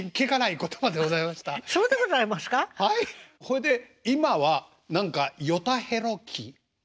ほいで今は何かヨタヘロ期？